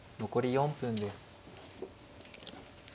残り４分です。